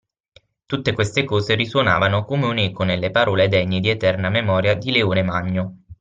Tutte queste cose risuonavano come un'eco nelle parole degne di eterna memoria di Leone Magno